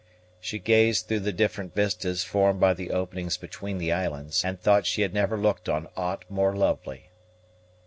She gazed through the different vistas formed by the openings between the islands, and thought she had never looked on aught more lovely.